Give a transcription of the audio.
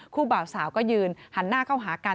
บ่าวสาวก็ยืนหันหน้าเข้าหากัน